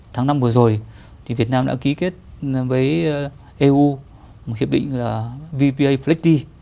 tháng năm vừa rồi thì việt nam đã ký kết với eu một hiệp định là vpa flecti